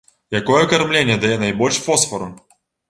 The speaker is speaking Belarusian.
Якое кармленне дае найбольш фосфару?